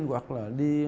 hoặc là đi